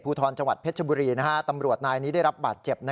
ทรจังหวัดเพชรบุรีตำรวจนายนี้ได้รับบาดเจ็บ